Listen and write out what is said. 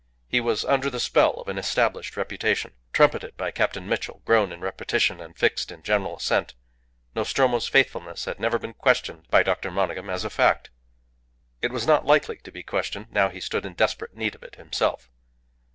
He was under the spell of an established reputation. Trumpeted by Captain Mitchell, grown in repetition, and fixed in general assent, Nostromo's faithfulness had never been questioned by Dr. Monygham as a fact. It was not likely to be questioned now he stood in desperate need of it himself.